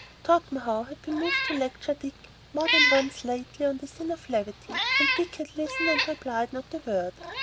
Torpenhow had been moved to lecture Dick more than once lately on the sin of levity, and Dick had listened and replied not a word.